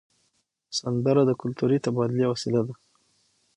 سندره د کلتوري تبادلې وسیله ده